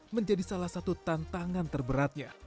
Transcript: menjadi salah satu tantangan terberatnya